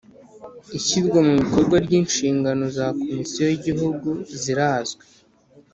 Ishyirwamubikorwa ry ‘inshingano za Komisiyo y’ Igihugu rirazwi